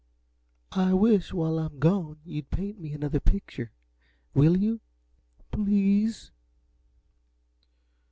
"I wish, while I'm gone, you'd paint me another picture. Will you, PLEASE?"